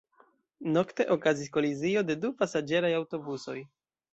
Nokte okazis kolizio de du pasaĝeraj aŭtobusoj.